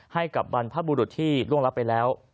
ให้กับบรรพบุรุษที่ร่วงรับไปแล้ว